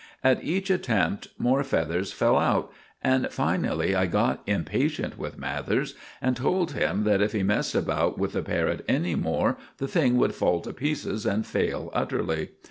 At each attempt more feathers fell out, and finally I got impatient with Mathers and told him that if he messed about with the parrot any more the thing would fall to pieces and fail utterly.